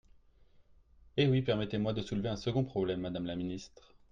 Eh oui ! Permettez-moi de soulever un second problème, madame la ministre.